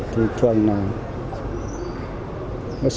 thì thường là